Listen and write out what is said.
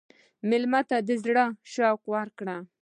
مېلمه ته د زړه شوق ورکړه.